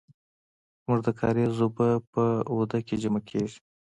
زمونږ د کاریز اوبه په آوده کې جمع کیږي.